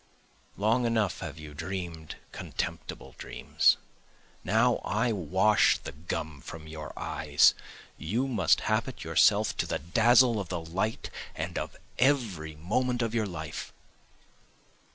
Long enough have you dream'd contemptible dreams, Now I wash the gum from your eyes, You must habit yourself to the dazzle of the light and of every moment of your life.